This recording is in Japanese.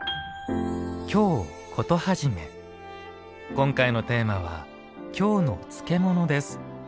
今回のテーマは「京の漬物」です。